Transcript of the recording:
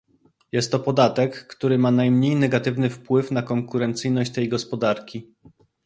Jest to podatek, który ma najmniej negatywny wpływ na konkurencyjność tej gospodarki